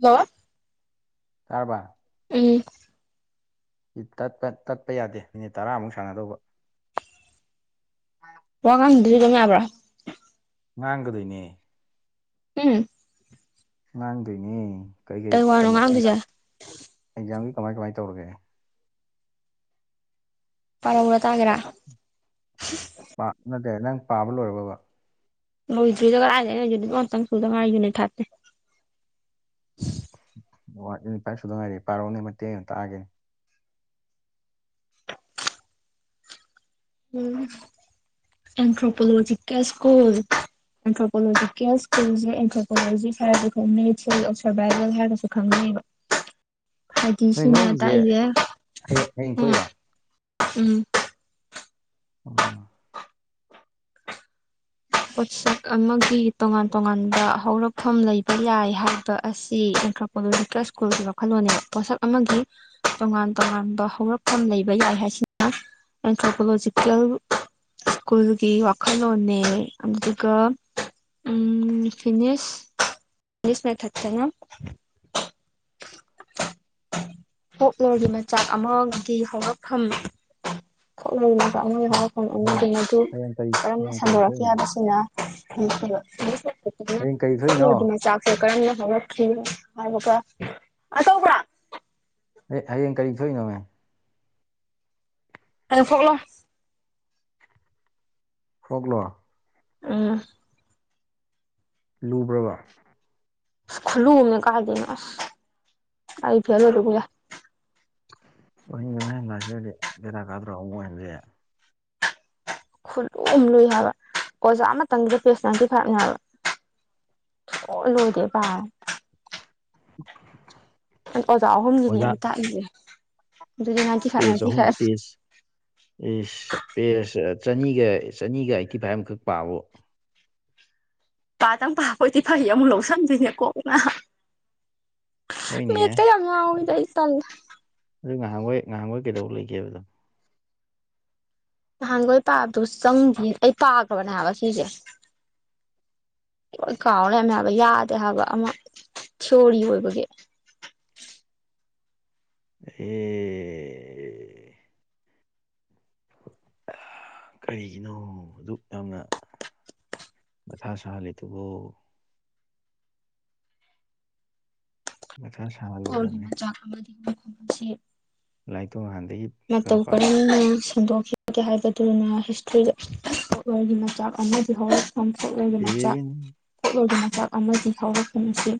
hello ꯇꯥꯔꯕꯥ ꯎꯝ ꯇꯠ ꯇꯠ ꯇꯠꯄ ꯌꯥꯗꯦ ꯃꯤꯅꯤꯠ ꯇꯔꯥꯃꯨꯛ ꯁꯥꯟꯅꯗꯧꯕ ꯋꯥ ꯉꯥꯡꯅꯗ꯭ꯔꯁꯨ ꯑꯗꯨꯝ ꯌꯥꯕ꯭ꯔꯣ ꯉꯥꯡꯒꯗꯣꯏꯅꯦ ꯍꯝ ꯉꯥꯡꯗꯣꯏꯅꯦ ꯀꯩꯀꯩꯥ ꯀꯩ ꯋꯥꯅꯣ ꯀꯃꯥꯢ ꯑꯦꯛꯖꯥꯝ ꯉꯥꯡꯗꯣꯏꯁꯦ ꯑꯦꯛꯖꯥꯝꯒꯤ ꯀꯃꯥꯏ ꯀꯃꯥꯏ ꯇꯧꯔꯒꯦ ꯄꯥꯔꯛꯎꯔꯥ ꯇꯥꯒꯦꯔꯥ ꯄꯥ ꯅꯠꯇꯦ ꯅꯪ ꯄꯥꯕ ꯂꯣꯏꯔꯕꯣꯕ ꯂꯣꯢꯗ꯭ꯔꯤꯗ ꯀꯥꯢꯗꯩꯅꯣ ꯎꯅꯤꯠ ꯋꯥꯟ ꯇꯪ ꯁꯨꯗ ꯉꯥꯢꯗ ꯎꯅꯤꯠ ꯐꯥꯢꯐ ꯇꯩ ꯑꯣ ꯎꯅꯤꯠ ꯐꯥꯢꯐ ꯁꯨꯗ ꯉꯥꯏꯔꯤ ꯄꯥꯔꯛꯎꯅꯦ ꯃꯇꯦꯛ ꯑꯃ ꯇꯥꯒꯦꯅꯦ ꯎꯝ ꯑꯦꯟꯊ꯭ꯔꯣꯄꯣꯂꯣꯖꯤꯀꯦꯜ ꯁ꯭ꯀꯨꯜ ꯑꯦꯟꯊ꯭ꯔꯣꯀꯣꯂꯣꯖꯤꯀꯦꯜ ꯁ꯭ꯀꯨꯜꯁꯦ ꯑꯦꯟꯊ꯭ꯔꯣꯀꯣꯂꯣꯖꯤꯁ ꯍꯥꯏꯔꯁꯨ ꯈꯪꯅꯩ ꯊꯤꯌꯣꯔꯤ ꯑꯣꯐ ꯁꯔꯕꯥꯏꯕꯜ ꯍꯥꯏꯔꯁꯨ ꯈꯪꯅꯩꯕ [inaudible] ꯍꯥꯏꯗꯤ ꯅꯣꯏ ꯁꯤꯅ ꯅꯣꯏꯒꯤꯁꯦ ꯇꯥꯛꯏꯁꯦ ꯍꯌꯦꯡ ꯍꯌꯦꯡ ꯎꯝ ꯊꯣꯛꯏꯔꯣ ꯎꯝ [unintelligible] ꯄꯣꯠꯁꯛ ꯑꯃꯒꯤ ꯇꯣꯉꯥꯟ ꯇꯣꯉꯥꯟꯕ ꯍꯧꯔꯛꯐꯝ ꯂꯩꯕ ꯌꯥꯏ ꯍꯥꯏꯕ ꯑꯁꯤ ꯑꯦꯟꯊ꯭ꯔꯣꯄꯣꯂꯣꯖꯤꯀꯦꯜ ꯁꯀꯨꯜꯒꯤ ꯋꯥꯈꯜꯂꯣꯟꯅꯦꯕ ꯄꯣꯠꯁꯛ ꯑꯃꯒꯤ ꯇꯣꯉꯥꯟ ꯇꯣꯉꯥꯟꯕ ꯍꯧꯔꯛꯐꯝ ꯂꯩꯕ ꯌꯥꯏ ꯂꯩ ꯍꯥꯏꯁꯤꯅ ꯑꯦꯟꯊ꯭ꯔꯣꯀꯣꯂꯣꯖꯤꯀꯦꯜ ꯁ꯭ꯀꯨꯜꯒꯤ ꯋꯥꯈꯜꯂꯣꯟꯅꯦ ꯑꯗꯨꯒ ꯎꯝ ꯐꯤꯅꯤꯁ ꯐꯦꯅꯤꯁ ꯃꯦꯊꯠꯇꯥꯅ [inaudible] ꯐꯣꯛꯂꯣꯔꯒꯤ ꯃꯆꯥꯛ ꯑꯃꯒꯤ ꯍꯧꯔꯛꯐꯝ ꯐꯣꯛꯂꯣꯔ ꯝꯆꯛ ꯑꯃꯒꯤ ꯍꯧꯔꯛꯐꯝ ꯑꯗꯤ ꯃꯗꯨ ꯍꯌꯦꯡ ꯀꯔꯤ ꯀꯔꯝꯅ ꯍꯌꯦꯡ ꯀꯔꯤ ꯁꯥꯟꯗꯣꯔꯛ ꯀꯤ ꯊꯣꯛꯏꯅꯣ ꯍꯥꯏꯕꯁꯤꯅ [unintelligible] ꯍꯌꯦꯡ ꯀꯔꯤ ꯊꯣꯛꯏꯅꯣ ꯐꯣꯛꯂꯣꯔꯒꯤ ꯃꯆꯥꯛꯁꯦ ꯀꯔꯝꯅ ꯍꯧꯔꯛꯈꯤ ꯍꯥꯏꯕꯒ ꯃꯥ ꯀꯧꯕ꯭ꯔꯣ ꯑꯦ ꯍꯌꯦꯡ ꯀꯔꯤ ꯊꯣꯛꯏꯅꯣ ꯃꯦ ꯍꯌꯦꯡ ꯐꯣꯛꯂꯣꯔ ꯐꯣꯛꯂꯣꯔ ꯎꯝ ꯂꯨꯕ꯭ꯔꯥꯕ ꯈꯨꯠꯂꯨꯃꯅꯤ ꯀꯥꯏꯗꯩꯅꯣ ꯑꯁ ꯑꯩ ꯐꯦꯜ ꯑꯣꯏꯕ ꯌꯥꯏ ꯑꯣꯏꯍꯟꯒ ꯅꯨꯍꯦ ꯂꯥꯁꯇ꯭ ꯏꯌꯔ ꯗꯤ ꯕꯦꯔꯥ ꯀꯥꯗ꯭ꯔꯣ ꯑꯃꯨꯛ ꯍꯟꯂꯥꯗꯤ ꯈꯨꯠꯂꯨ ꯑꯃꯥ ꯂꯨꯏ ꯍꯥꯏꯕ ꯑꯣꯖꯥ ꯑꯃꯇꯪꯒꯤ ꯄꯦꯖ ꯅꯥꯏꯟꯇꯤ ꯐꯥꯏꯞꯅꯦ ꯍꯥꯏꯕ ꯁꯨꯡꯂꯣꯏ ꯂꯣꯏꯗꯦ ꯄꯕꯥ [inaudible] ꯑꯩ ꯑꯣꯖꯥ ꯑꯍꯨꯝꯒꯤꯅꯦꯕ ꯇꯥꯛꯏꯁꯦ ꯑꯗꯨꯗꯤ ꯅꯥꯏꯟꯇꯤ ꯐꯥꯏꯚ ꯄꯦꯁ ꯅꯥꯏꯟꯇꯤ ꯑꯍꯨꯝ ꯐꯥꯏꯚ ꯄꯦꯁ ꯄꯦꯁ ꯆꯅꯤꯒ ꯆꯅꯤꯒ ꯑꯩꯥꯏꯠꯇꯤ ꯐꯥꯏꯚ ꯃꯨꯈꯛ ꯄꯥꯕꯕꯨ ꯄꯥꯇꯪ ꯄꯥꯕ ꯑꯣꯏꯗꯤ ꯐꯩ ꯑꯃꯨꯛ ꯂꯧꯁꯟꯗꯣꯏꯅꯦ ꯀꯣꯛꯅ ꯍꯣꯏꯅꯦꯍꯦ ꯃꯦꯠꯇ ꯌꯥꯝ ꯉꯎꯌꯤꯗ ꯑꯩ ꯇꯜꯂꯦ ꯑꯗꯨ ꯉꯍꯥꯟꯒꯥꯏ ꯉꯍꯥꯟꯒꯩ ꯀꯩꯗꯧ ꯂꯩꯒꯦꯕꯗꯣ ꯅꯍꯥꯟꯒꯣꯏ ꯄꯥꯕꯗꯨ ꯆꯪꯗꯦ ꯑꯩ ꯄꯥꯈ꯭ꯔꯕꯅꯦ ꯍꯥꯏꯕ ꯁꯤꯁꯦ ꯂꯣꯏ ꯀꯥꯎ ꯂꯩꯔꯃꯦ ꯍꯥꯏꯕ ꯌꯥꯗꯦ ꯍꯥꯏꯕ ꯑꯃ ꯊꯤꯑꯣꯔꯤ ꯑꯣꯏꯕꯒꯤ [inaudible] ꯑꯦ ꯀꯔꯤꯒꯤꯅꯣ ꯑꯗꯨꯛ ꯌꯥꯝꯅ ꯃꯊꯥ ꯁꯍꯜꯂꯤꯗꯨꯕꯨ ꯃꯊꯥ ꯁꯥꯍꯜꯂꯣꯏꯗꯕꯅꯤ [unintelligible] ꯂꯥꯏꯔꯤꯛ ꯇꯨ ꯍꯥꯟ ꯃꯇꯧ ꯀꯥꯔꯝꯅ ꯁꯟꯗꯣꯛꯈꯤ ꯍꯥꯏꯕꯗꯨꯅ ꯍꯤꯁꯇ꯭ꯔꯤꯗ ꯐꯣꯛꯂꯣꯔꯒꯤ ꯃꯆꯥꯛ ꯑꯃꯗꯤ ꯍꯧꯔꯛ ꯐꯣꯛꯂꯣꯔꯒꯤ ꯃꯆꯥꯛ ꯗꯦꯔꯦꯕꯤꯟ ꯐꯣꯛꯂꯣꯔꯒꯤ ꯃꯆꯥꯛ ꯑꯃꯗꯤ ꯍꯧꯔꯛꯐꯝ ꯑꯁꯤ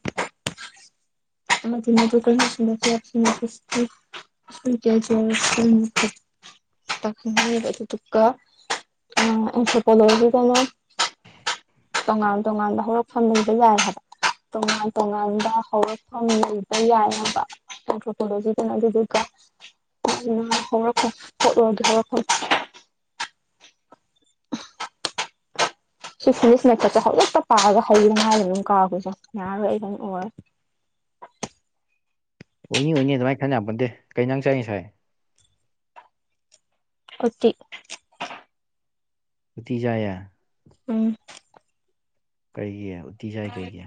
ꯑꯃꯗꯤ ꯃꯗꯨ [unintelligible] ꯁꯤꯅꯁꯤ [unintelligible] [unintelligible] ꯇꯣꯉꯥꯟ ꯇꯣꯉꯥꯟꯕ ꯍꯧꯔꯛꯐꯝ ꯂꯩꯕ ꯌꯥꯏ ꯍꯥꯏꯕ ꯇꯣꯉꯥꯟ ꯇꯣꯉꯥꯟꯕ ꯍꯧꯔꯛ ꯐꯪꯕꯥ ꯌꯥꯏ ꯍꯥꯏꯕ ꯑꯦꯟꯊ꯭ꯔꯣꯄꯣꯂꯣꯖꯤꯗꯅ ꯑꯗꯨꯗꯨꯒ ꯐꯣꯛꯂꯣꯔꯒꯤ ꯍꯧꯔꯛꯐꯝ [inaudible] ꯁꯤ ꯐꯤꯅꯤꯁ ꯃꯦꯊꯠꯁꯦ ꯍꯧꯖꯤꯛꯇ ꯄꯥꯔꯒ ꯍꯩꯔꯦ ꯍꯥꯏꯔꯒ ꯑꯗꯨꯝ ꯀꯥꯎꯈ꯭ꯔꯤꯁꯦ ꯌꯦꯡꯉꯣ ꯌꯥꯔꯔꯣꯏ ꯑꯩ ꯑꯗꯨ ꯑꯣꯏꯔꯔꯣꯏ [inaudible] ꯑꯣꯏꯅꯤ ꯑꯣꯏꯅꯤ ꯑꯗꯨꯃꯥꯏꯅ ꯈꯟ ꯌꯄꯣꯟꯇꯦ ꯀꯩ ꯏꯟꯁꯪ ꯆꯥꯏ ꯉꯁꯥꯏ ꯎꯇꯤ ꯎꯇꯤ ꯆꯥꯏꯌꯦ ꯎꯝ ꯀꯩꯒꯤ ꯎꯇꯤ ꯆꯥꯏ ꯀꯩꯒꯤ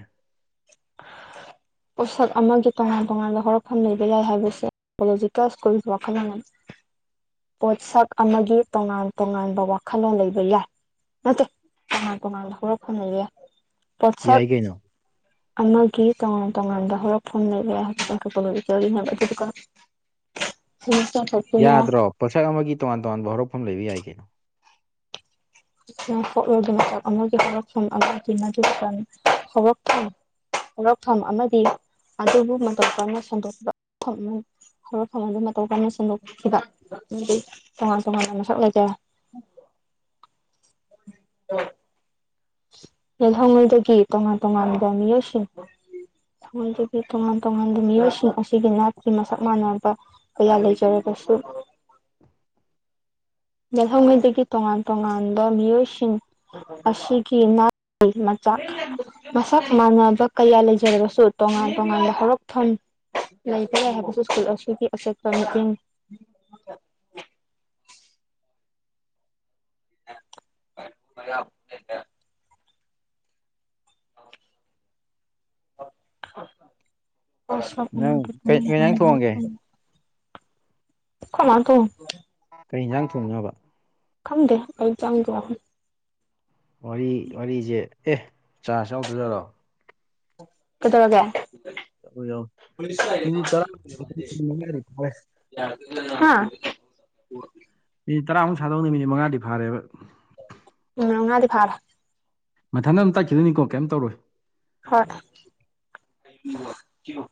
ꯄꯣꯠꯁꯛ ꯑꯃꯒꯤ ꯇꯣꯉꯥꯟ ꯇꯣꯉꯥꯟꯥꯟꯕ ꯍꯧꯔꯛꯐꯝ ꯂꯩꯕ ꯌꯥꯏ ꯍꯥꯏꯕꯁꯦ ꯑꯄꯣꯂꯣꯖꯤꯀꯦꯜ ꯁ꯭ꯀꯨꯜꯒꯤ ꯋꯥꯈꯜꯂꯣꯟ ꯑꯃꯅꯤ [inaudible] ꯄꯣꯠꯁꯛ ꯑꯃꯒꯤ ꯇꯣꯉꯥꯟ ꯇꯣꯉꯥꯟꯕ ꯋꯥꯈꯜꯂꯣꯟ ꯂꯩꯕ ꯌꯥꯏ ꯅꯠꯇꯦ ꯇꯣꯡꯉꯥꯟ ꯇꯣꯡꯉꯥꯟꯕ ꯍꯧꯔꯛꯐꯝ ꯂꯩꯕ ꯌꯥꯏ ꯄꯣꯠꯁꯛ ꯌꯥꯏ ꯀꯩꯅꯣ ꯑꯃꯒꯤ ꯇꯣꯉꯥꯟ ꯇꯣꯉꯥꯟꯕ ꯍꯧꯔꯛꯐꯝ ꯂꯩꯕ ꯌꯥ ꯑꯗꯨꯒꯥ [unintelligible] ꯎꯝ ꯌꯥꯗ꯭ꯔꯣ ꯄꯣꯠꯁꯛ ꯑꯃꯒꯤ ꯇꯣꯉꯥꯟ ꯇꯣꯉꯥꯟꯕ ꯍꯧꯔꯛꯐꯝ ꯂꯩꯕ ꯌꯥꯏ ꯀꯩꯅꯣ INAUDIBLE ꯍꯧꯔꯛꯐꯝ ꯑꯃꯗꯤ ꯑꯗꯨꯕꯨ ꯃꯇꯧ ꯀꯔꯝꯅ ꯁꯟꯗꯣꯛꯄ ꯍꯧꯔꯛꯐꯝ ꯑꯃꯗꯤ ꯃꯇꯧ ꯀꯔꯝꯅ ꯁꯟꯗꯣꯛꯈꯤꯕ ꯑꯗꯨ ꯇꯣꯉꯥꯟ ꯇꯣꯉꯥꯟꯕ ꯃꯁꯛ ꯂꯩꯖꯔꯦ INAUDIBLE INAUDIBLE ꯌꯦꯜꯍꯧꯉꯩꯗꯒꯤ ꯇꯣꯡꯉꯥꯟ ꯇꯣꯡꯉꯥꯟꯕ ꯃꯤꯑꯣꯏꯁꯤꯡ ꯁꯣꯏꯗꯒꯤ ꯇꯣꯡꯉꯥꯟ- ꯇꯣꯡꯉꯥꯟꯕ ꯃꯤꯑꯣꯏꯁꯤꯡ ꯑꯁꯤꯒꯤ ꯅꯥꯠꯀꯤ ꯃꯁꯛ ꯃꯥꯟꯅꯕ ꯀꯌꯥ ꯂꯩꯖꯔꯕ ꯁꯨ INAUDIBLE ꯌꯦꯜꯍꯧꯉꯩꯗꯒꯤ ꯇꯣꯡꯉꯥꯟ ꯇꯣꯡꯉꯥꯟꯕ ꯃꯤꯑꯣꯏꯁꯤꯡ ꯑꯁꯤꯒꯤ ꯅꯥꯠ ꯃꯆꯥꯛ ꯃꯁꯛ ꯃꯥꯟꯅꯕ ꯀꯌꯥ ꯂꯩꯖꯔꯕꯁꯨ ꯇꯣꯡꯉꯥꯟ ꯇꯣꯡꯉꯥꯟꯕ ꯍꯧꯔꯛꯐꯝ ꯂꯩꯇ꯭ꯔꯦ ꯍꯥꯏꯕꯁꯨ ꯁ꯭ꯀꯨꯜ ꯑꯁꯤꯒꯤ ꯑꯆꯦꯠꯄ ꯃꯇꯦꯡ INAUDIBLE INAUDIBLE ꯅꯪ ꯀꯩ ꯀꯩ ꯏꯟꯖꯥꯡ ꯊꯣꯡꯉꯒꯦ UNINTELLIGIBLE ꯈꯔꯥ ꯂꯥꯡꯊꯣꯛ ꯀꯔꯤ ꯏꯟꯖꯥꯡ ꯊꯣꯡꯉꯤꯅꯣꯕ ꯈꯪꯗꯦꯑꯩ ꯆꯪ ꯗꯦ ꯋꯥꯔꯤ ꯋꯥꯔꯤꯖꯦ ꯑꯦ ꯆꯥꯔꯖ ꯌꯥꯎꯗ꯭ꯔꯖꯥꯠꯂꯣ ꯀꯩꯗꯧꯔꯒꯦ ꯌꯥꯎ ꯌꯥꯎ ꯃꯤꯅꯤꯠ ꯇꯔꯥ INAUDIBLE ꯃꯤꯅꯤꯠ ꯃꯉꯥꯗꯤ ꯐꯥꯔꯦ ꯍꯥꯥꯑ ꯃꯤꯅꯤꯠ ꯇꯔꯥꯃꯨꯛ ꯁꯥꯗꯧꯅꯤ ꯃꯤꯅꯤꯠ ꯃꯉꯥꯗꯤ ꯐꯥꯔꯦꯕ ꯃꯤꯅꯤꯠ ꯃꯉꯥꯗꯤ ꯐꯥꯔꯦ ꯃꯊꯟꯗ ꯑꯗꯨꯝ ꯇꯠꯈꯤꯗꯣꯏꯅꯤꯀꯣ ꯀꯩꯝ ꯇꯧꯔꯣꯏ ꯍꯣꯌ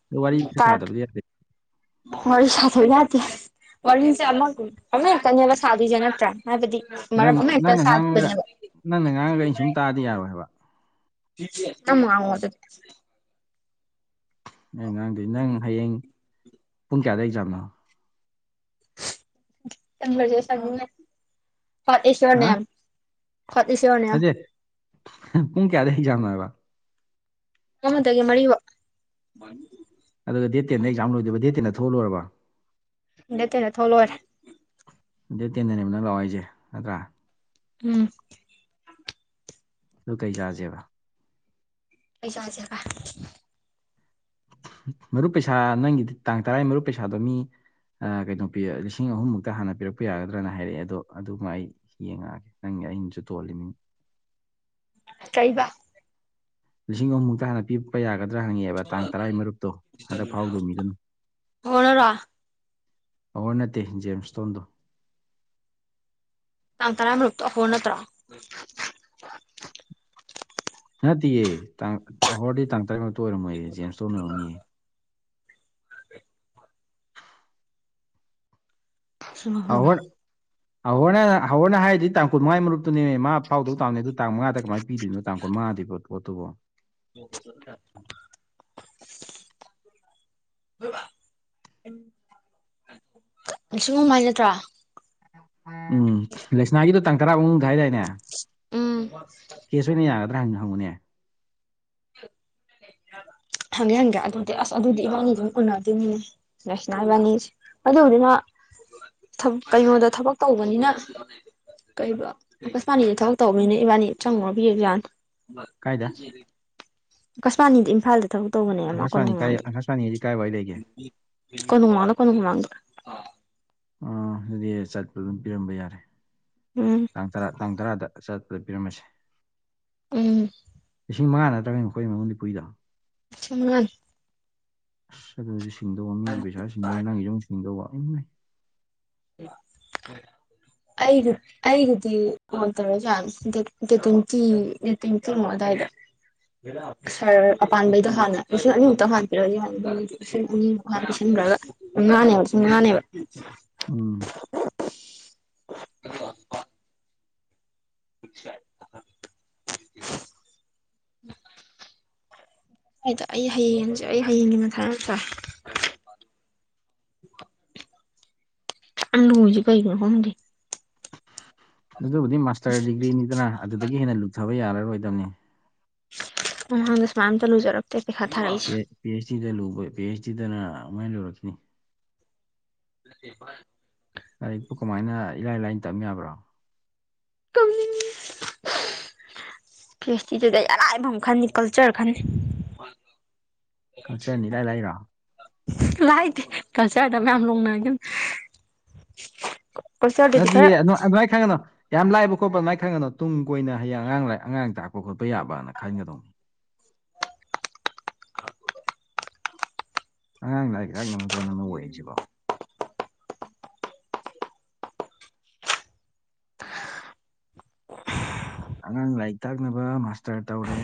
ꯑꯗꯣ ꯋꯥꯔꯤ ꯁꯥꯗꯕꯗꯤ ꯌꯥꯗꯦ ꯋꯥꯔꯤ ꯁꯥꯗꯕ ꯌꯥꯗꯦ ꯋꯥꯔꯤꯖꯦ ꯑꯃꯒꯨꯝ ꯑꯃ ꯈꯛꯇꯅꯦꯕ ꯁꯥꯗꯣꯏꯖꯦ ꯅꯠꯇ꯭ꯔꯥ ꯍꯥꯏꯕꯗꯤ ꯃꯔꯝ ꯅꯪ ꯑꯃ ꯍꯦꯛꯇ ꯅꯪꯅ ꯉꯥꯡꯉꯒ ꯁꯥꯗꯣꯏꯅꯦꯕ ꯅꯪꯅ ꯉꯥꯡꯉꯒ ꯑꯩꯅ ꯁꯨꯝ ꯇꯥꯗꯤ ꯌꯥꯔꯣꯏꯕ ꯇꯝ ꯉꯥꯡꯉꯣ ꯑꯩ ꯉꯥꯡꯗꯤ ꯅꯪ ꯍꯌꯦꯡ ꯄꯨꯡ ꯀꯌꯥꯗ ꯑꯦꯛꯖꯥꯝꯅꯣ ꯍꯨ꯭꯭ꯋꯥꯠ ꯏꯁ ꯌꯣꯔ ꯍꯥ name what is your name ꯅꯠꯇꯦ ꯄꯨꯡ ꯀꯌꯥꯗꯩ ꯑꯦꯛꯖꯥꯝꯅꯣ ꯍꯥꯏꯕ ꯑꯃꯗꯒꯤꯅ ꯃꯔꯤ ꯕꯥꯎ ꯑꯗꯨꯗ ꯗꯦꯠ ꯇꯦꯟꯗ ꯑꯦꯛꯖꯥꯝ ꯂꯣꯏꯗꯣꯏꯕ ꯗꯦꯠ ꯇꯦꯟꯗ ꯊꯣꯛꯑ ꯂꯣꯏꯔꯕ ꯗꯦꯠ ꯇꯦꯟꯗ ꯊꯣꯛꯑꯥ ꯂꯣꯏꯔꯦ ꯗꯦꯠ ꯇꯦꯟꯗꯅꯦꯕ ꯅꯪꯅ ꯂꯥꯛꯑꯣ ꯍꯥꯏꯖꯦ ꯅꯠꯇ꯭ꯔꯥ ꯎꯪ ꯑꯗꯨ ꯀꯩ ꯆꯥꯥꯖꯦꯕ ꯀꯩ ꯆꯥꯖꯦꯕ ꯃꯔꯨꯞ ꯄꯩꯁꯥ ꯅꯪꯒꯤꯗꯤ ꯇꯥꯡ ꯇꯔꯥꯌ ꯃꯔꯨꯞ ꯄꯩꯁꯥꯗꯣ ꯃꯤ ꯑꯥꯀꯩꯅꯣ ꯄꯤꯌꯦ ꯂꯤꯁꯤꯡ ꯑꯍꯨꯝ ꯃꯨꯛꯇ ꯍꯥꯟꯅ ꯄꯤꯔꯛꯄ ꯌꯥꯒꯗ꯭ꯔꯥꯅ ꯍꯥꯏꯔꯛꯑꯦ ꯑꯗꯣ ꯑꯗꯨꯃ ꯑꯩ ꯌꯦꯡꯉꯛꯑꯒꯦ ꯅꯪ ꯑꯩꯅꯖꯨ ꯇꯣꯜꯂꯤꯃꯤ ꯀꯩꯕꯥ ꯂꯤꯁꯤꯡ ꯑꯍꯨꯝꯃꯨꯛꯇ ꯍꯥꯟꯅ ꯄꯤꯔꯄ ꯌꯥꯒꯗ꯭ꯔ ꯍꯪꯉꯛꯑꯦꯕ ꯇꯥꯡ ꯇꯔꯥꯏ ꯃꯔꯨꯞꯇꯣ ꯍꯟꯗꯛ ꯐꯥꯎꯗꯧ ꯃꯤꯗꯨꯅ ꯑꯍꯣꯔꯅꯔꯣ ꯄꯋꯥꯔ ꯅꯠꯇꯦ ꯖꯦꯝꯁꯇꯣꯟꯗꯣ INAUDIBLE ꯅꯠꯇꯤꯌꯦ ꯇꯥꯡ ꯑꯍꯣꯔꯗꯤ ꯇꯥꯡ ꯇꯔꯦꯠꯃꯨꯛꯇ ꯑꯣꯏꯔꯝꯃꯣꯏ ꯖꯦꯝꯁꯇꯣꯟ ꯑꯣꯏꯔꯝꯅꯤꯌꯦ UNINTELLIGIBLE ꯑꯍꯣꯔ ꯑꯍꯣꯔꯅ ꯑꯍꯣꯔꯅ ꯍꯥꯏꯔꯤꯗꯤ ꯇꯥꯡ ꯀꯨꯟ ꯃꯉꯥꯏ ꯃꯔꯨꯛꯇꯨꯅꯦ ꯃꯥ ꯐꯥꯎꯗꯧ ꯇꯥꯕꯅꯦ ꯑꯗꯨ ꯇꯥꯡ ꯃꯉꯥꯗ ꯀꯃꯥꯏ ꯄꯤꯗꯣꯏꯅꯣ ꯇꯥꯡ ꯀꯨꯟꯃꯉꯥꯗꯤ ꯕ ꯄꯣꯠꯇꯨꯕꯣ INAUDIBLE INAUDIBLE ꯁꯤꯒꯨꯝꯍꯥꯏ ꯅꯠꯇ꯭ꯔꯥ ꯎꯪ ꯂꯩꯁꯅꯥꯒꯤꯗꯣ ꯇꯥꯡ ꯇꯔꯥ ꯕꯥꯎ ꯃꯅꯨꯡ ꯍꯥꯏꯗꯥꯏꯅꯦ ꯎꯝ ꯀꯦꯁ ꯑꯣꯏꯅ ꯌꯥꯒꯗ꯭ꯔꯥ ꯍꯥꯟꯅ ꯍꯪꯉꯨꯅꯦ INAUDIBLE ꯍꯪꯒꯦ ꯍꯪꯒꯦ ꯑꯗꯨꯗꯤ ꯑꯥꯁ ꯑꯗꯨꯗꯤ ꯏꯕꯥꯅꯤ ꯑꯗꯨꯝ ꯎꯅꯗꯣꯏꯅꯤꯅꯦ ꯂꯩꯁꯅꯥ ꯏꯕꯥꯅꯤꯖꯦ ꯑꯗꯨꯕꯨꯗꯤ ꯃꯥ INAUDIBLE ꯊꯝ ꯀꯩꯅꯣꯗ ꯊꯕꯛ ꯇꯧꯕꯅꯤꯅꯥ ꯀꯩꯕ ꯑꯥꯀꯁꯕꯥꯅꯤꯗ ꯊꯕꯛ ꯇꯧꯕꯅꯤꯅ ꯏꯕꯥꯅꯤ ꯆꯪꯉꯨꯔꯒ ꯌꯦꯡ ꯌꯥꯅꯤ ꯀꯥꯏꯗ INAUDIBLE ꯑꯀꯁꯕꯥꯅꯤꯗ ꯏꯝꯐꯥꯜꯗ ꯊꯕꯛ ꯇꯧꯕꯅꯦ ꯃꯥꯥ ꯑꯪꯀꯥꯁꯋꯥꯅꯤ ꯀꯥꯏ ꯀꯣꯅꯨꯡꯃꯥꯡꯗ ꯑꯪꯀꯥꯁꯋꯥꯅꯤꯁꯤ ꯀꯥꯏꯋꯥꯏ ꯂꯩꯒꯦ ꯀꯣꯅꯨꯡꯃꯥꯡꯗ UNINTELLIGIBLE ꯑꯪ ꯑꯗꯨꯗꯤ ꯆꯠꯄꯗ ꯑꯗꯨꯝ ꯄꯤꯔꯝꯕ ꯌꯥꯔꯦ ꯎꯝ ꯇꯥꯡ ꯇꯔꯥ- ꯇꯥꯡ ꯇꯔꯥꯗ ꯆꯠꯄꯗ ꯄꯤꯔꯝꯃꯁꯦ ꯎꯪ ꯂꯤꯁꯤꯡ ꯃꯉꯥ ꯅꯠꯇ꯭ꯔꯅꯦ ꯃꯈꯣꯏꯗꯩ ꯃꯣꯏꯅ ꯄꯨꯏꯗꯣ ꯁꯤꯡ ꯃꯉꯥꯅꯦ ꯑꯥꯁ ꯑꯗꯨꯖꯨ ꯁꯤꯡꯗꯧꯕ ꯃꯤꯒꯤ ꯄꯩꯁꯥꯖꯨ ꯁꯤꯡꯗꯧꯕ ꯅꯪꯒꯤꯖꯨ ꯃꯨꯛ ꯁꯤꯡꯗꯧꯕ ꯏꯃꯥꯏ INAUDIBLE INAUDIBLE INAUDIBLE ꯁꯥꯔ ꯑꯄꯥꯟꯕꯩꯗꯣ ꯍꯥꯟꯅ ꯂꯤꯁꯤꯡ ꯑꯅꯤꯃꯨꯛꯇ ꯍꯥꯟꯄꯤꯔꯛꯑꯗꯤ ꯌꯥꯅꯤꯗ ꯍꯥ ꯂꯤꯁꯤꯡ ꯑꯅꯤꯃꯨꯛ ꯍꯥꯟ UNINTELLIGIBLE ꯎꯪ INAUDIBLE INAUDIBLE ꯑꯩ ꯍꯌꯦꯡꯖꯦ ꯑꯩ ꯍꯌꯦꯡꯒꯤ ꯃꯊꯥ ꯌꯥꯝ ꯁꯥꯢ INAUDIBLE ꯑꯁꯨꯛꯌꯥꯝ ꯂꯨꯔꯤꯖꯦ ꯀꯩꯒꯤꯅꯣ ꯈꯪꯗꯦ ꯑꯗꯨꯕꯨꯗꯤ ꯃꯥꯁꯇꯔ ꯗꯤꯒ꯭ꯔꯤꯅꯤꯗꯅꯥ ꯑꯗꯨꯗꯒꯤ ꯍꯦꯟꯅ ꯂꯨꯊꯕ ꯌꯥꯔꯔꯣꯏꯗꯝꯅꯦ ꯃꯃꯥꯡꯗ ꯁꯨꯃꯥꯏꯑꯝꯇ ꯂꯨꯖꯔꯛꯇꯦ ꯄꯩꯈꯥ ꯊꯥꯔꯛꯏꯁꯦ ꯄꯦ ꯄꯤ ꯑꯩꯆ ꯗꯤꯗ ꯂꯨꯕ ꯄꯤ ꯑꯩꯆ ꯗꯤꯗꯅ ꯑꯃꯨꯛꯍꯦꯟ ꯂꯨꯔꯛꯈꯤꯅꯤ INAUDIBLE ꯂꯥꯏꯔꯤꯛꯄꯨ ꯀꯝꯃꯥꯏꯅ ꯏꯔꯥꯏ- ꯂꯥꯏꯅ ꯇꯝ ꯌꯥꯕ꯭ꯔꯣ ꯀꯞꯅꯤꯡꯉꯤ INAUDIBLE ꯄꯤ ꯑꯩꯆ ꯗꯤꯗꯗꯤ ꯑꯔꯥꯏꯕꯃ ꯈꯟꯅꯤ ꯀꯜꯆꯔ ꯈꯟꯅꯤ ꯀꯜꯆꯔꯅ ꯏꯔꯥꯏ -ꯂꯥꯏꯔꯣ ꯂꯥꯏꯗꯦ ꯀꯜꯆ꯭ꯔꯗ ꯃꯌꯥꯝ ꯂꯣꯡꯅꯒꯤꯝꯅꯦ ꯅꯗꯤꯌꯦ ꯑꯗ ꯑꯗꯨꯃꯥꯏ ꯈꯟꯒꯅꯣ ꯌꯥꯝ ꯂꯥꯏꯕ ꯈꯣꯠꯄ ꯑꯃꯥꯏ ꯈꯟꯒꯅꯣ ꯇꯨꯡ ꯀꯣꯏꯅ ꯍꯌꯦꯡ ꯑꯉꯥꯡ ꯑꯉꯥꯡ ꯇꯥꯛꯄ ꯈꯣꯠꯄ ꯌꯥꯕꯅ ꯈꯟꯒꯗꯧꯅꯦ [inaudible] [inaudible] ꯑꯉꯥꯡ ꯂꯥꯏꯔꯤꯛ ꯇꯥꯛꯅꯕ ꯅꯠꯇ꯭ꯔꯣ ꯅꯪꯅ ꯑꯣꯏꯔꯤꯁꯤꯕꯣ ꯑꯉꯥꯡ ꯂꯥꯏꯔꯤꯛ ꯇꯥꯛꯅꯕ ꯃꯥꯁꯇ꯭ꯔ ꯇꯧꯔꯦ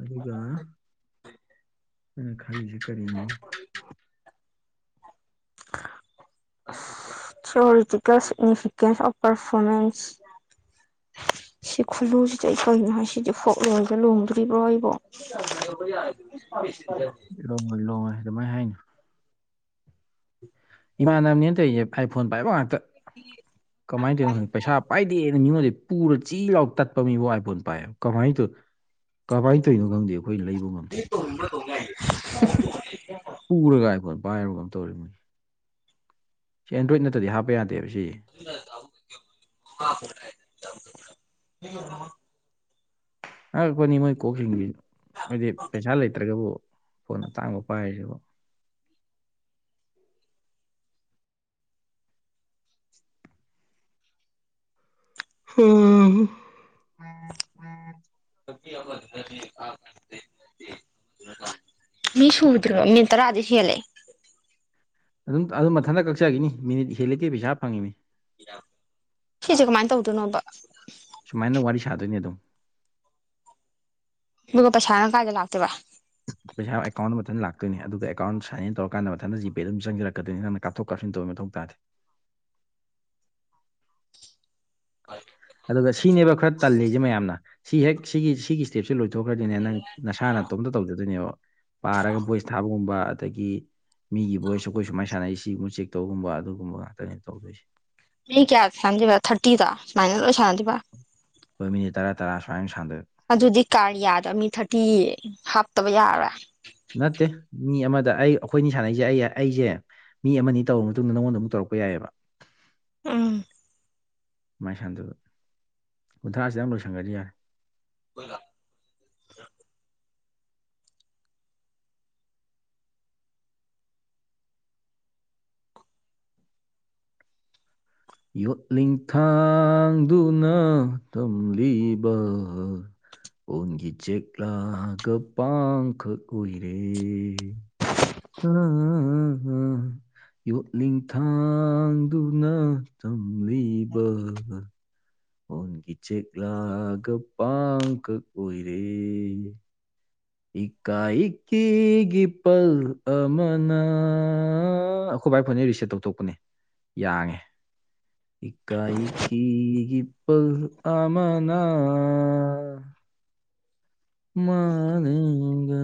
ꯑꯗꯨꯒ ꯑꯩꯅ ꯈꯜꯂꯤꯁꯦ ꯀꯔꯤꯅꯣ ꯑꯁ ꯊ꯭ꯌꯣꯔꯤꯇꯤꯀꯦꯜ ꯁꯤꯛꯅꯤꯐꯤꯀꯦꯟꯁ ꯑꯣꯐ ꯄ꯭ꯔꯐꯣꯃꯦꯟꯁ ꯁꯤ ꯈꯨꯜꯂꯨꯁꯤꯗꯤ ꯑꯩ ꯀꯩꯅꯣ ꯍꯥꯏ ꯁꯤꯗꯤ ꯐꯣꯛ ꯂꯣꯔꯗ ꯂꯣꯡꯗꯣꯔꯤꯕꯣ ꯑꯩꯕꯣ [unintelligible] ꯂꯣꯡꯉꯣꯏ ꯂꯣꯡꯉꯣꯏ ꯑꯗꯨꯃꯥꯏ ꯍꯥꯏꯅꯨ ꯏꯃꯥꯟꯅꯕꯅꯦ ꯇꯩꯁꯦ ꯑꯥꯏ ꯐꯣꯟ ꯄꯥꯏꯕ ꯉꯥꯛꯇ ꯀꯃꯥꯏꯟ ꯇꯩꯅꯣ ꯈꯪꯗꯦ ꯄꯩꯁꯥ ꯄꯥꯏꯗꯦ ꯑ ꯃꯤꯉꯣꯟꯗꯩ ꯄꯨꯔ ꯆꯤ ꯂꯥꯎ ꯇꯠꯄ ꯃꯤꯕꯨ ꯑꯥꯏ ꯐꯣꯟ ꯄꯥꯏꯌꯦ ꯀꯃꯥꯏ ꯇ ꯀꯃꯥꯏꯅ ꯇꯧꯔꯤꯅꯣ ꯈꯪꯗꯦꯕ ꯈꯣꯏ ꯂꯩꯕ ꯉꯝꯗꯦ [inaudible] ꯄꯨꯔꯒ ꯑꯥꯏ ꯐꯣꯟ ꯄꯥꯏꯔꯕ ꯀꯅꯣꯝ ꯇꯧꯔꯦ ꯃꯣꯏꯁ ꯁꯤ ꯑꯦꯟꯗ꯭ꯔꯣꯏꯗ ꯅꯠꯇꯗꯤ ꯍꯥꯞꯄ ꯌꯥꯗꯦꯕ ꯁꯤꯖ [unintelligible] ꯑꯉꯛꯄꯅꯤ ꯃꯣꯏ ꯀꯣꯛꯁꯤꯡꯁꯤ ꯍꯥꯏꯗꯤ ꯄꯩꯁꯥ ꯂꯩꯇ꯭ꯔꯒꯕꯨ ꯐꯣꯟ ꯑꯇꯥꯡꯕ ꯄꯥꯏꯔꯤꯁꯤꯕꯨ ꯍꯥꯍꯥ [unintelligible] ꯃꯤ ꯁꯨꯗ꯭ꯔꯣ ꯃꯤꯅꯠ ꯇꯔꯥꯗꯤ ꯍꯦꯜꯂꯦ ꯑꯗꯨꯝ ꯑꯗꯨꯝ ꯃꯊꯟꯇ ꯀꯛꯆꯒꯤꯅꯤ ꯃꯤꯅꯤꯠ ꯍꯦꯂꯤꯒꯩ ꯄꯩꯁꯥ ꯐꯪꯉꯤꯝꯅꯤ ꯁꯤꯁꯦ ꯀꯃꯥꯏ ꯇꯧꯗꯣꯏꯅꯣꯕ ꯁꯨꯃꯥꯏꯅ ꯋꯥꯔꯤ ꯁꯥꯗꯣꯏꯅꯦ ꯗꯨꯝ ꯗꯨꯒ ꯄꯩꯁꯥꯅ ꯀꯥꯏꯗꯩ ꯂꯥꯛꯇꯣꯏꯕ [inaudible] ꯄꯩꯁꯥ ꯑꯦꯀꯥꯎꯟ ꯃꯊꯟ ꯂꯥꯛꯇꯣꯏꯅꯦ ꯑꯗꯨꯗ ꯑꯦꯀꯥꯎꯟ ꯁꯥꯏꯟ ꯏꯟ ꯇꯧꯔꯀꯥꯟꯗ ꯃꯊꯟꯗ ꯖꯤꯄꯦ ꯑꯗꯨꯝ ꯆꯪꯖꯔꯛꯀꯗꯣꯏꯅꯦ ꯅꯪꯅ ꯀꯥꯞꯊꯣꯛ ꯀꯥꯞꯁꯤꯟ ꯇꯧꯕꯩ ꯃꯊꯧ ꯇꯥꯗꯦ ꯑꯗꯨꯒ ꯁꯤꯅꯦꯕ ꯈꯔ ꯇꯜꯂꯤꯁꯦ ꯃꯌꯥꯝꯅ ꯁꯤ ꯍꯦꯛ ꯁꯤꯒꯤ ꯁꯤꯒꯤ ꯁ꯭ꯇꯦꯞꯁꯦ ꯂꯣꯏꯊꯣꯛꯈ꯭ꯔꯗꯤꯅꯦ ꯅꯪ ꯅꯁꯥꯅ ꯅꯥꯇꯣꯝꯇ ꯇꯧꯖꯗꯣꯏꯅꯦꯕ ꯄꯥꯔꯒ ꯕꯣꯏ꯭ꯁ ꯊꯥꯕꯒꯨꯝꯕ ꯑꯗꯒꯤ ꯃꯤꯒꯤ ꯕꯣꯏꯁ ꯑꯈꯣꯏ ꯁꯨꯃꯥꯏꯟ ꯁꯥꯟꯅꯩ ꯁꯤꯒꯨꯝꯕ ꯆꯦꯛ ꯇꯧꯒꯨꯝꯕ ꯑꯗꯨꯒꯨꯝꯕ ꯉꯥꯛꯇꯅꯦ ꯇꯧꯗꯣꯏꯁꯦ ꯃꯤ ꯀꯌꯥ ꯁꯥꯟꯅꯥꯗꯣꯏꯕ ꯊꯥꯔꯇꯤꯗꯣ ꯁꯨꯃꯥꯏꯅ ꯂꯣꯏ ꯁꯥꯟꯅꯗꯣꯏꯕ ꯍꯣꯏ ꯃꯤꯅꯤꯠ ꯇꯔꯥ ꯇꯔꯥ ꯁꯨꯃꯥꯏꯟ ꯁꯥꯟꯅꯗꯣꯏꯕ ꯑꯗꯨꯗꯤ ꯀꯥꯔꯤꯌꯥꯗ ꯃꯤ ꯊꯥꯔꯇꯤ ꯍꯥꯞꯇꯕ ꯌꯥꯔꯔꯣꯏ ꯅꯠꯇꯦ ꯃꯤ ꯑꯃꯗ ꯑꯩ ꯑꯈꯣꯏꯅꯤ ꯁꯥꯟꯅꯩꯁꯦ ꯑꯩ ꯑꯩꯁꯦ ꯃꯤ ꯑꯃꯅꯤ ꯇꯧꯔ ꯃꯇꯨꯡꯗ ꯅꯉꯣꯟꯗ ꯑꯃꯨꯛ ꯇꯧꯔꯛ ꯄ ꯌꯥꯏꯌꯦꯕ ꯎꯝ ꯑꯃꯥꯏ ꯁꯥꯟꯗꯣꯏꯕ ꯀꯨꯟꯊ꯭ꯔꯥꯁꯤꯗꯪ ꯂꯣꯏꯁꯟꯒꯗꯤ ꯌꯥꯔꯦ [unintelligible] ꯌꯣꯠꯂꯤ ꯊꯥꯡꯗꯨꯅ ꯇꯝꯂꯤꯕ ꯄꯣꯟꯒꯤ ꯆꯦꯛꯂꯥꯒ ꯄꯥꯡꯈꯛ ꯑꯣꯏꯔꯦ [unintelligible] ꯌꯣꯠꯂꯤꯡ ꯊꯥꯡꯗꯨꯅ ꯊꯝ ꯂꯤꯕ ꯄꯣꯟꯒꯤ ꯆꯦꯛꯂꯒ ꯄꯥꯡ ꯀꯛ ꯑꯣꯏꯔꯦ ꯏꯀꯥꯏ ꯏꯀꯤꯒꯤ ꯄꯜ ꯑꯃꯅꯥ ꯑ ꯑꯩꯈꯣꯏ ꯕꯥꯥꯏ ꯐꯣꯟꯁꯦ ꯔꯤꯁꯦꯠ ꯇꯧꯊꯣꯛꯄꯅꯦ ꯌꯥꯡꯉꯦ ꯏꯀꯥꯏ ꯏꯀꯤꯒꯤ ꯄꯜ ꯑꯃꯅꯥ ꯃꯥꯂꯦꯝꯒ